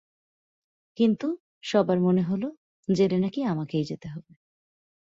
কিন্তু, সবার মনে হলো, জেলে নাকি আমাকেই যেতে হবে।